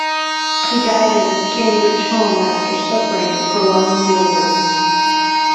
He died at his Cambridge home after suffering a prolonged illness.